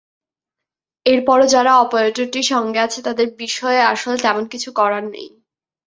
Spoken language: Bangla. এরপরও যারা অপারেটরটির সঙ্গে আছে তাদের বিষয়ে আসলে তেমন কিছু করার নেই।